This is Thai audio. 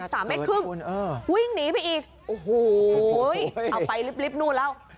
สามเมตรครึ่งคุณเออวิ่งหนีไปอีกโอ้โหเอาไปลิบลิฟต์นู่นแล้ว